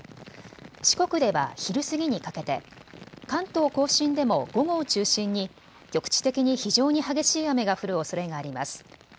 四国では昼過ぎにかけて、関東甲信でも午後を中心に局地的に非常に激しい雨が降るおそれがあります。